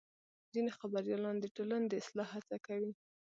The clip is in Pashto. ځینې خبریالان د ټولنې د اصلاح هڅه کوي.